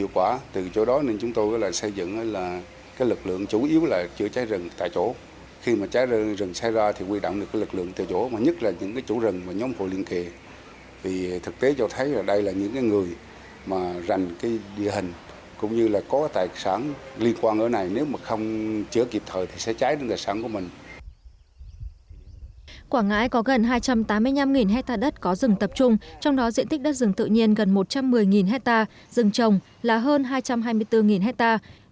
quảng ngãi có gần hai trăm tám mươi năm hectare đất có rừng tập trung trong đó diện tích đất rừng tự nhiên gần một trăm một mươi hectare rừng trồng là hơn hai trăm hai mươi bốn hectare